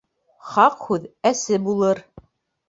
Хаҡ һүҙ әсе булыр.